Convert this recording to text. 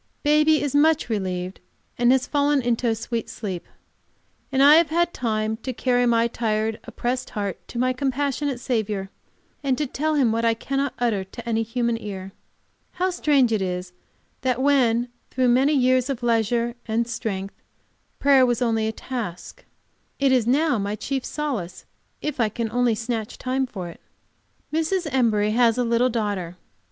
Baby is much relieved, and has fallen into a sweet sleep. And I have had time to carry my tired, oppressed heart to my compassionate Saviour, and to tell Him what I cannot utter to any human ear. How strange it is that when, through many years of leisure and strength, prayer was only a task, it is now my chief solace if I can only snatch time for it. Mrs. Embury has a little daughter.